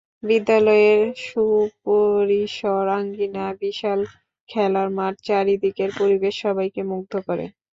বিদ্যালয়ের সুপরিসর আঙিনা, বিশাল খেলার মাঠ, চারদিকের পরিবেশ সবাইকে মুগ্ধ করে।